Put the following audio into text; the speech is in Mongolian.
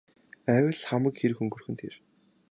Айвал л хамаг хэрэг өнгөрөх нь тэр.